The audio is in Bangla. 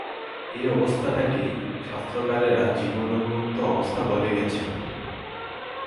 এই অবস্থাটাকেই শাস্ত্রকারেরা জীবন্মুক্ত অবস্থা বলে গেছেন।